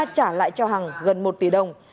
hằng đã trả lại cho hằng gần một tỷ đồng